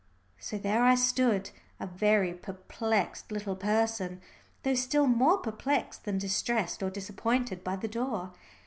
So there I stood, a very perplexed little person, though still more perplexed than distressed or disappointed, by the door.